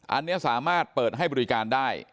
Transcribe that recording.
อันนี้สามารถเปิดให้บริการได้